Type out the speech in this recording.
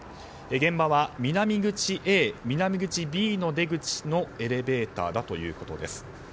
現場は南口Ａ、南口Ｂの出口のエレベーターだということです。